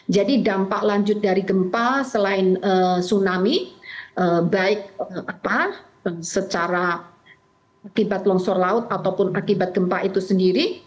jadi dampak lanjut dari gempa selain tsunami baik secara akibat longsor laut ataupun akibat gempa itu sendiri